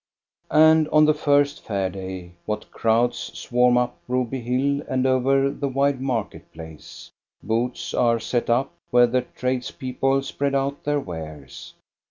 And on the first Fair day what crowds swarm up Broby hill and over the wide market place ! Booths are set up, where the tradespeople spread out their wares.